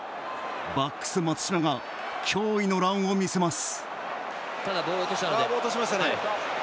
バックス、松島が驚異のランを魅せます。